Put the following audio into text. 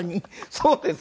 そうです。